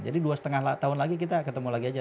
jadi dua setengah tahun lagi kita ketemu lagi aja